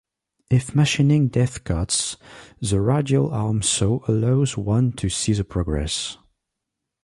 If machining depth cuts, the radial arm saw allows one to see the progress.